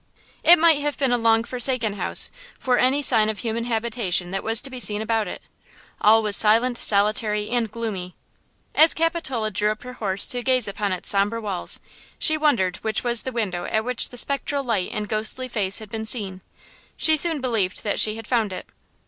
It might have been a long forsaken house, for any sign of human habitation that was to be seen about it. All was silent, solitary and gloomy. As Capitola drew up her horse to gaze upon its somber walls she wondered which was the window at which the spectral light and ghostly face had been seen. She soon believed that she had found it.